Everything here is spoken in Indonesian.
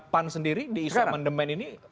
pan sendiri di isu amandemen ini